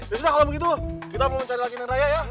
ya sudah kalau begitu kita mau cari lagi dengan raya ya